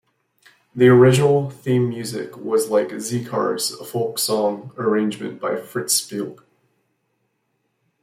The original theme music was, like "Z-Cars", a folk-song arrangement by Fritz Spiegl.